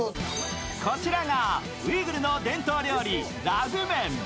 こちらがウイグルの伝統料理、ラグメン。